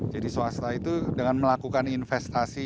jadi swasta itu dengan melakukan investasi